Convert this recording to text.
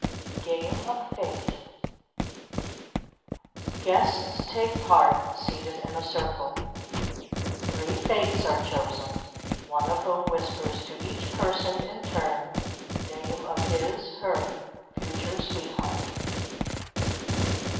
GAME OF FATE Guests take part, seated in a circle. Three Fates are chosen, one of whom whispers to each person in turn name of his (her) future sweetheart.